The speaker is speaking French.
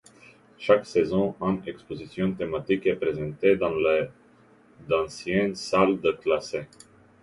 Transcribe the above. Chaque saison, une exposition thématique est présentée dans les d’anciennes salles de classe.